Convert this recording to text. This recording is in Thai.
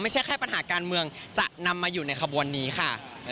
ไม่ใช่แค่ปัญหาการเมืองจะนำมาอยู่ในขบวนนี้ค่ะ